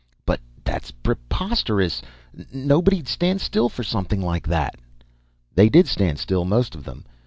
"But that's preposterous! Nobody'd stand still for something like that!" "They did stand still, most of them.